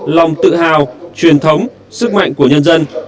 lòng tự hào truyền thống sức mạnh của nhân dân